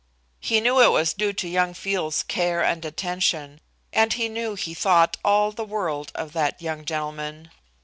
He knew it was due to young Field's care and attention, and he knew he thought all the world of that young gentleman.